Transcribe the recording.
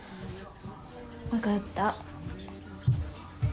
分かった。